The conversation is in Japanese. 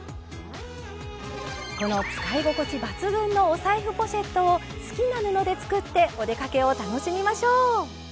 この使い心地抜群のお財布ポシェットを好きな布で作ってお出かけを楽しみましょう。